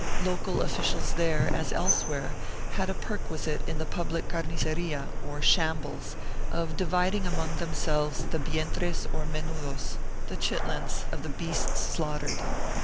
Local officials there, as elsewhere, had a perquisite in the public carniceria, or shambles, of dividing among themselves the vientres or menudos — the chitterlings — of the beasts slaugh tered.